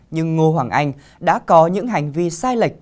nhưng ngô hoàng anh đã có những hành vi sai lệch